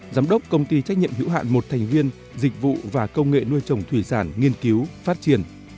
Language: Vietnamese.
giám đốc công ty trách nhiệm hữu hạn một thành viên dịch vụ và công nghệ nuôi trồng thủy sản nghiên cứu phát triển